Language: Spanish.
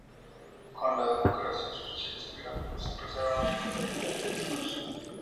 Con la democracia sus chistes gráficos empezaron a incluir ya textos.